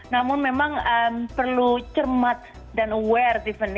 namun memang perlu cermat dan aware tiffany